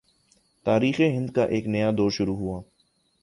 تاریخ ہند کا ایک نیا دور شروع ہوا